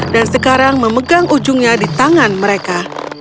dan sekarang memegang ujungnya di tangan mereka